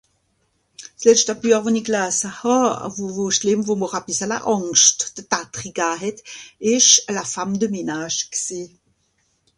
s'letschte Buech von'i gelasse hà wo wo schlìmm wo m'r a bìssele àngst de dadderi gah het esch la femme de ménage gsìh